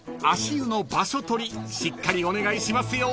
湯の場所取りしっかりお願いしますよ］